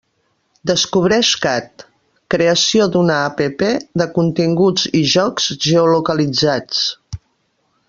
Descobreix cat: creació d'una app de continguts i jocs geolocalitzats.